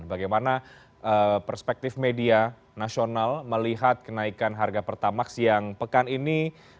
bagaimana perspektif media nasional melihat kenaikan harga pertamax yang pekan ini